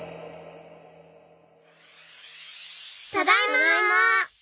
ただいま！